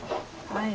はい。